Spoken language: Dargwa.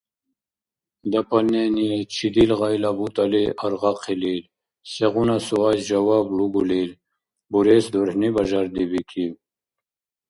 Дополнение чидил гъайла бутӀали аргъахъилил, сегъуна суайс жаваб лугулил бурес дурхӀни бажардибикиб.